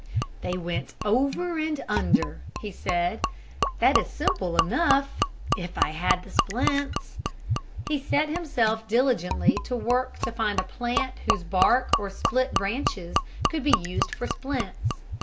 "They went over and under," he said. "That is simple enough if I had the splints." He set himself diligently to work to find a plant whose bark or split branches could be used for splints.